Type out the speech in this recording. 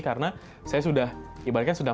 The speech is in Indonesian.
karena saya sudah ibaratnya sudah